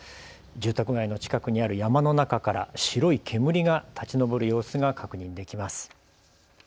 住宅街の近くにある山の中から白い煙が立ち上る様子が確認できます。